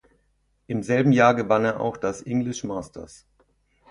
Im selben Jahr gewann er auch das "English Masters".